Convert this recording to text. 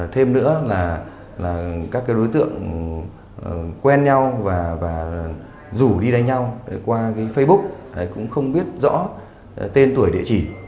thêm nữa là các đối tượng quen nhau và rủ đi đánh nhau qua facebook cũng không biết rõ tên tuổi địa chỉ